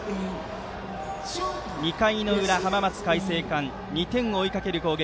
２回の裏、浜松開誠館２点を追いかける攻撃。